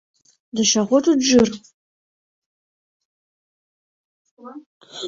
Да чаго тут жыр?